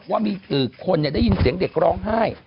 ว่ามีคนได้ยินเสียงเด็กร้องไห้